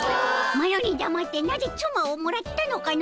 マロにだまってなぜつまをもらったのかの！